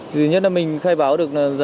thứ nhất là mình khai báo được